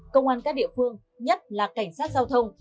công an các địa phương nhất là cảnh sát giao thông